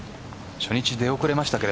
初日出遅れましたが。